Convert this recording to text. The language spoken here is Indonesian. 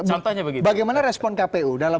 contohnya begitu bagaimana respon kpu dalam